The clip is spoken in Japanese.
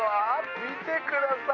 見てください！